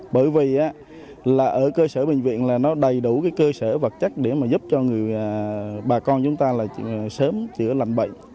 bởi vì ở cơ sở bệnh viện là đầy đủ cơ sở vật chất để giúp cho bà con chúng ta sớm chữa lạnh bệnh